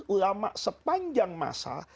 ulama sepanjang masa